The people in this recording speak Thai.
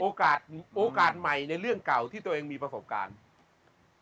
โอกาสโอกาสใหม่ในเรื่องเก่าที่ตัวเองมีประสบการณ์